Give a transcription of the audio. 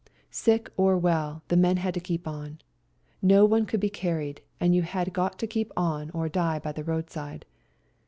Sick or well, the men had to keep on. No one could be carried, and you had got to keep on going or die by the roadside.